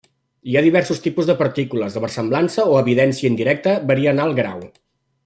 Hi ha diversos tipus de partícules, la versemblança o evidència indirecta varia en alt grau.